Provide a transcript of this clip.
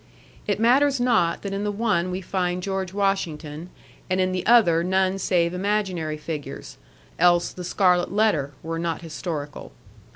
It matters not that in the one we find George Washington and in the other none save imaginary figures; else THE SCARLET LETTER were not historical.